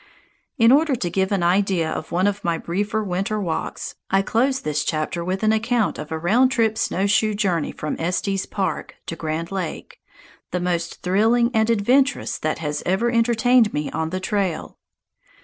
In order to give an idea of one of my briefer winter walks, I close this chapter with an account of a round trip snowshoe journey from Estes Park to Grand Lake, the most thrilling and adventurous that has ever entertained me on the trail.